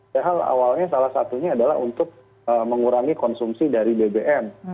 padahal awalnya salah satunya adalah untuk mengurangi konsumsi dari bbm